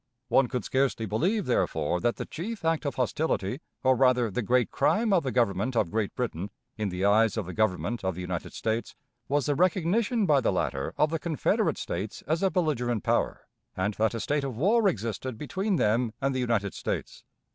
One could scarcely believe, therefore, that the chief act of hostility, or, rather, the great crime of the Government of Great Britain in the eyes of the Government of the United States, was the recognition by the latter of the Confederate States as a belligerent power, and that a state of war existed between them and the United States.